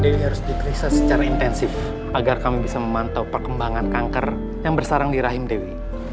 dewi harus diperiksa secara intensif agar kami bisa memantau perkembangan kanker yang bersarang di rahim dewi